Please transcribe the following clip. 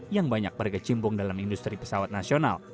yang banyak berkecimpung dalam industri pesawat nasional